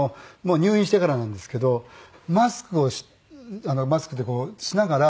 入院してからなんですけどマスクをマスクってこうしながら。